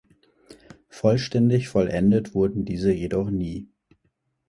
Vollständig vollendet wurden diese jedoch nie.